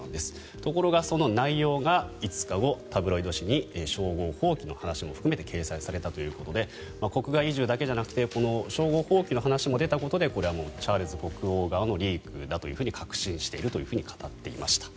ところがその内容が５日後、タブロイド紙に称号放棄の話も含めて掲載されたということで国外移住だけじゃなくて称号放棄の話も出たことでこれはもうチャールズ国王側のリークだと確信していると語っていました。